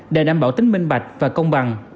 để đảm bảo tính minh bạch và công bằng